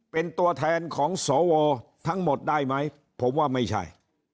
เป็นตัวแทนของสวทั้งหมดได้ไหมผมว่าไม่ใช่